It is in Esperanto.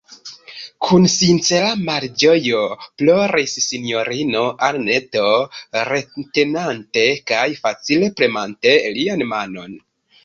Kun sincera malĝojo ploris sinjorino Anneto, retenante kaj facile premante lian manon.